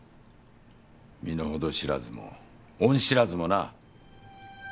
身の程知らずも恩知らずもな。